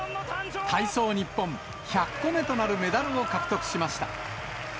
体操ニッポン、１００個目となるメダルを獲得しました。